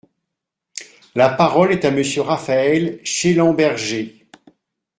La parole est à Monsieur Raphaël Schellenberger.